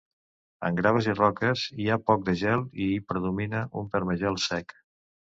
En graves i roques, hi ha poc de gel i hi predomina un permagel sec.